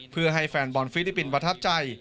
เพื่อให้แฟนบอลฟิลิปปินส์ประทับใจ